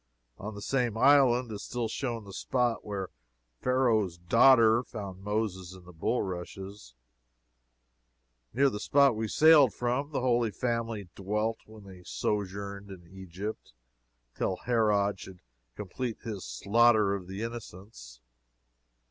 On the same island is still shown the spot where Pharaoh's daughter found Moses in the bulrushes. Near the spot we sailed from, the Holy Family dwelt when they sojourned in Egypt till Herod should complete his slaughter of the innocents.